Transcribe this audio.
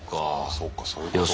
そっかそういうことか。